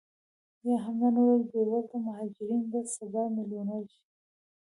یا هم نن ورځ بې وزله مهاجرین به سبا میلیونرې شي